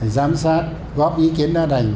giám sát góp ý kiến ra đành